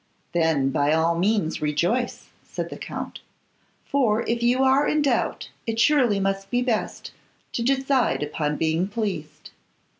'Then, by all means rejoice,' said the Count; 'for, if you are in doubt, it surely must be best to decide upon being pleased.